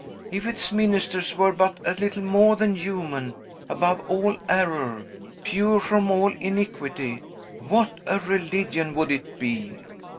If its ministers were but a little more than human, above all error, pure from all iniquity, what a religion would it be!"